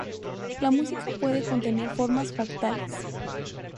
La música puede contener formas fractales.